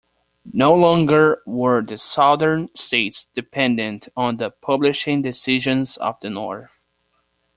No longer were the Southern states dependent on the publishing decisions of the North.